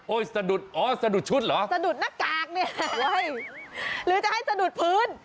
สะดุดอ๋อสะดุดชุดเหรอสะดุดหน้ากากเนี่ยหรือจะให้สะดุดพื้น